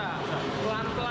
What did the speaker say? kelan kelan gitu ya